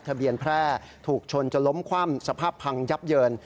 แพร่ถูกชนจนล้มคว่ำสภาพพังยับเยิน